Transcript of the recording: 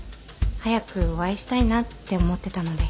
早くお会いしたいなって思ってたので。